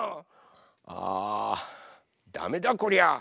あダメだこりゃ。